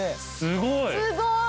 すごい！